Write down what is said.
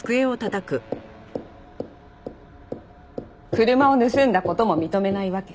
車を盗んだ事も認めないわけ？